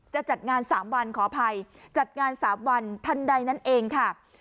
จัดงาน๓วันขออภัยจัดงาน๓วันทันใดนั่นเองค่ะ